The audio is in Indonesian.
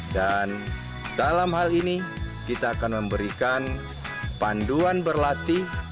dan dalam hal ini kita akan memberikan panduan berlatih